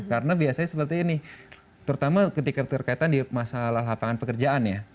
karena biasanya seperti ini terutama ketika terkaitan di masalah lapangan pekerjaan ya